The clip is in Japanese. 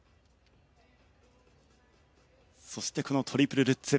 そして、トリプルルッツ。